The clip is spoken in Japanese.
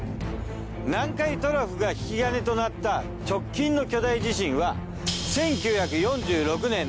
南海トラフが引き金となった直近の巨大地震は。